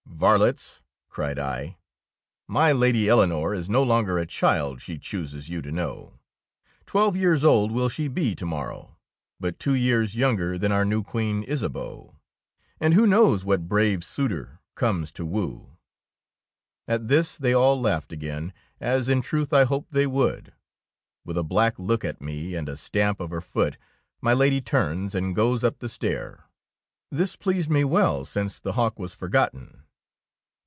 Varlets," cried I, "my Lady Eleo nore is no longer a child, she chooses you to know. Twelve years old will she be to morrow, but two years younger than our new Queen Isabeau. And who knows what brave suitor comes to woo ?" At this they all laughed again, as in truth I hoped they would. With a black look at me and a stamp of her foot, my Lady turns and goes up the stair. This pleased me well, since the hawk was forgotten.